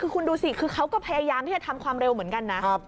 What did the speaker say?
คือคุณดูสิคือเขาก็พยายามที่จะทำความเร็วเหมือนกันนะ